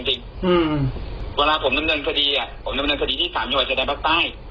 ไม่มาดำเนินคดีแต่แถวนี้หรอก